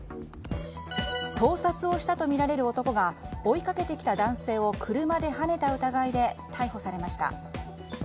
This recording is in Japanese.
盗撮をしたとみられる男が追いかけてきた男性を車ではねた疑いで逮捕されました。